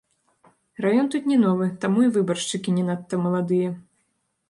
Раён тут не новы, таму і выбаршчыкі не надта маладыя.